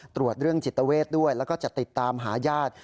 ตรวจเรื่องจิตเวทด้วยแล้วก็จะติดตามหาญาติ